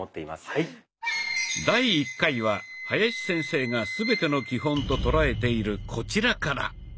第１回は林先生が全ての基本と捉えているこちらから。